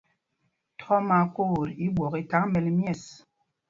Thɔɔ mí Akwooɓot i ɓwɔk i thaŋ mɛl myɛ̂ɛs.